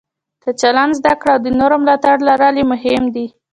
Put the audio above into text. د چلند زده کړه او د نورو ملاتړ لرل یې مهم دي.